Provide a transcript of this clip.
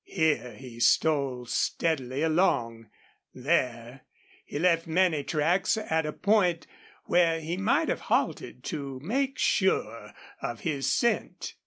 Here he stole steadily along; there he left many tracks at a point where he might have halted to make sure of his scent.